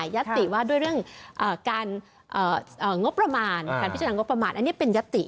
ยติว่าด้วยเรื่องการพิจารณางบประมาณอันนี้เป็นยติ